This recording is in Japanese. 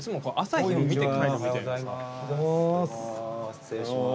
失礼します。